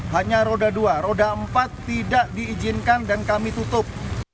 hanya roda dua roda empat tidak diizinkan dan kami tutup